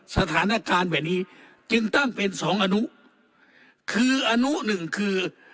สถานการณ์แบบนี้จึงตั้งเป็นสองอนุคืออนุหนึ่งคือ